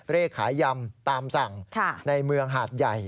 เลขขายยำตามสั่งในเมืองหาดใหญ่